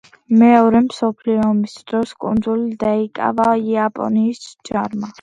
მეორე მსოფლიო ომის დროს კუნძული დაიკავა იაპონიის ჯარმა.